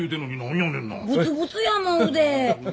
ブツブツやもん腕。